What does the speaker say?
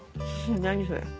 何それ。